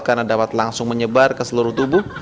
karena dapat langsung menyebar ke seluruh tubuh